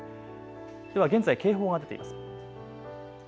では現在、警報が出ています。